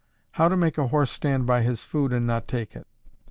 _How to make a horse stand by his food and not take it.